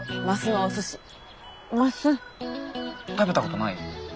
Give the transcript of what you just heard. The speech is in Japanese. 食べたことない？